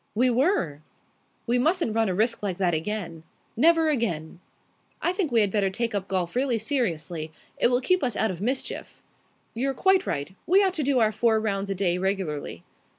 "We were!" "We mustn't run a risk like that again." "Never again!" "I think we had better take up golf really seriously. It will keep us out of mischief." "You're quite right. We ought to do our four rounds a day regularly."